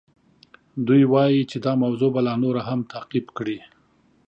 دوی وایي چې دا موضوع به لا نوره هم تعقیب کړي.